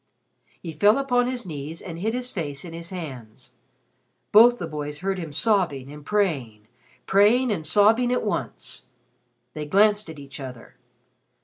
He fell upon his knees and hid his face in his hands. Both the boys heard him sobbing and praying praying and sobbing at once. They glanced at each other.